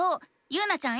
ゆうなちゃん